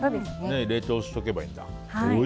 冷凍しておけばいいんだ。